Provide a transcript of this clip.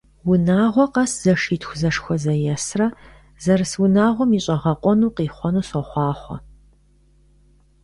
Унагъуэ къэс зэшитху зэшхуэзэесрэ зэрыс унагъуэм и щӀэгъэкъуэну къихъуэну сохъуахъуэ!